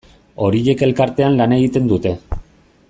Horiek elkartean lan egiten dute.